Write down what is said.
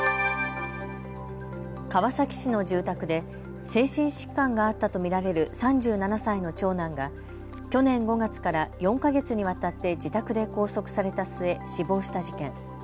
川崎市の住宅で精神疾患があったと見られる３７歳の長男が去年５月から４か月にわたって自宅で拘束された末、死亡した事件。